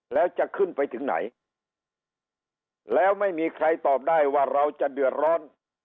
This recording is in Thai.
แล้วจะขึ้นไปถึงไหนแล้วไม่มีใครตอบได้ว่าเราจะเดือดร้อน